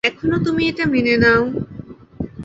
এখনও তুমি এটা মেনে নাও।